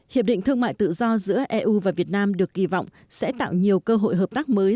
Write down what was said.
hiệp định thương mại tự do giữa eu và việt nam được kỳ vọng sẽ tạo nhiều cơ hội hợp tác mới